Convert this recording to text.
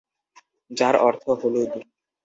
যার অর্থ হলুদ।